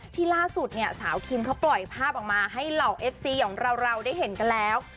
ล่าสุดเนี่ยสาวคิมเขาปล่อยภาพออกมาให้เหล่าเอฟซีอย่างเราได้เห็นกันแล้ว